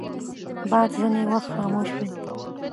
باد ځینې وخت خاموش وي